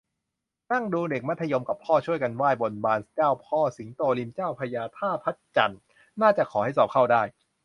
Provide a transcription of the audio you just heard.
นั่งดูเด็กมัธยมกับพ่อ ช่วยกันไหว้บนบานเจ้าพ่อสิงโตริมเจ้าพระยาท่าพระจันทร์ น่าจะขอให้สอบเข้าได้